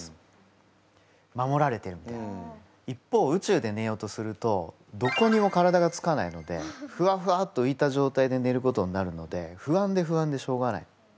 一方宇宙でねようとするとどこにも体がつかないのでフワフワッとういた状態でねることになるので不安で不安でしょうがない。